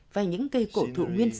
và những cây cổ thụ nguyên sinh